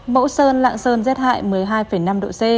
mẫu sơn lạng sơn rét hại một mươi hai năm độ c